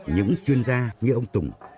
những chuyên gia như ông tùng